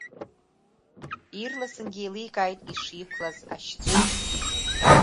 Ирласынгьы еиликааит ишиқәлаз ашьцәа.